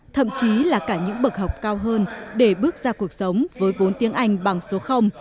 thậm chí là cả những bậc học cao hơn để bước ra cuộc sống với vốn tiếng anh bằng số